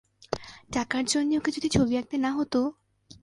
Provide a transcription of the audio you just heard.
টাকার জন্যে ওকে যদি ছবি আঁকতে না হত।